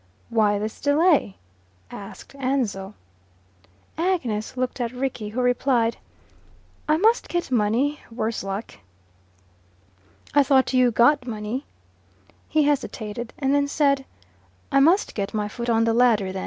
"Why this delay?" asked Ansell. Agnes looked at Rickie, who replied, "I must get money, worse luck." "I thought you'd got money." He hesitated, and then said, "I must get my foot on the ladder, then."